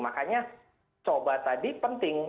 makanya coba tadi penting